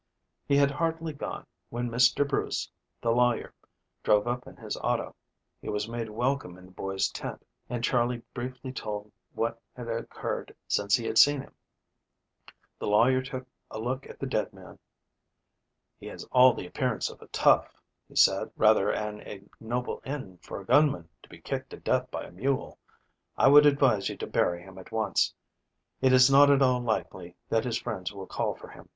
He had hardly gone, when Mr. Bruce, the lawyer, drove up in his auto. He was made welcome in the boys' tent and Charley briefly told what had occurred since he had seen him. The lawyer took a look at the dead man. "He has all the appearance of a tough," he said. "Rather an ignoble end for a gunman, to be kicked to death by a mule. I would advise you to bury him at once. It is not at all likely that his friends will call for him.